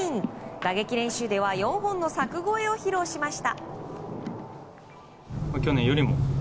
打撃練習では４本の柵越えを披露しました。